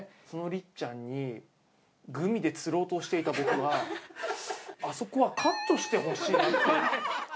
りっちゃんに、グミで釣ろうとしていた僕は、あそこはカットしてほしいなって。